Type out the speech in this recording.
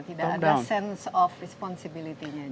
tidak ada sense of responsibility nya